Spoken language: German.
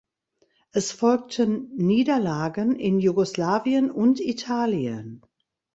Es folgten Niederlagen in Jugoslawien und Italien.